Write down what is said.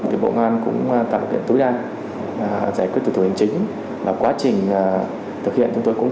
bộ công an cũng tạo điều kiện tối đa giải quyết từ thủ hình chính quá trình thực hiện chúng tôi cũng